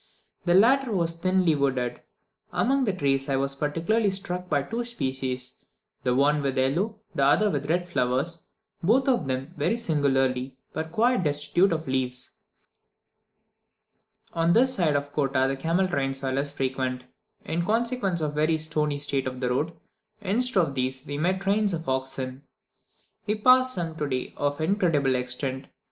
The latter were thinly wooded; among the trees I was particularly struck by two species, the one with yellow, the other with red flowers; both of them, very singularly, were quite destitute of leaves. On this side of Kottah the camel trains were less frequent, in consequence of the very stony state of the road; instead of these, we met trains of oxen. We passed some today of incredible extent.